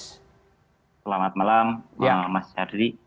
selamat malam mas yardi